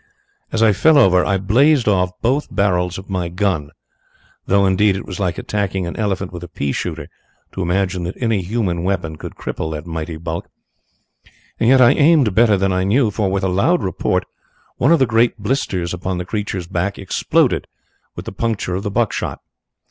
"As I fell over I blazed off both barrels of my gun, though, indeed, it was like attacking an elephant with a pea shooter to imagine that any human weapon could cripple that mighty bulk. And yet I aimed better than I knew, for, with a loud report, one of the great blisters upon the creature's back exploded with the puncture of the buck shot.